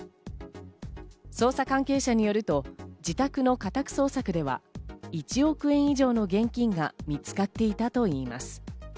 捜査関係者によると、自宅の家宅捜索では１億円以上の現金が見つかっていたといいます。